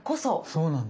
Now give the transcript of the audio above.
そうなんです。